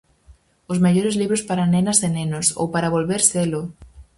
Os mellores libros para nenas e nenos... ou para volver selo!